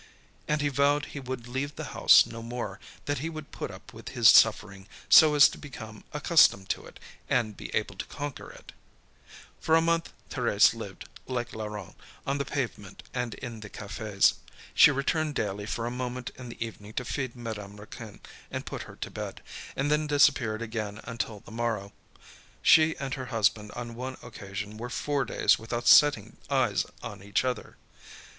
And he vowed he would leave the house no more, that he would put up with his suffering, so as to become accustomed to it, and be able to conquer it. For a month Thérèse lived, like Laurent, on the pavement and in the cafes. She returned daily for a moment, in the evening to feed Madame Raquin and put her to bed, and then disappeared again until the morrow. She and her husband on one occasion were four days without setting eyes on each other.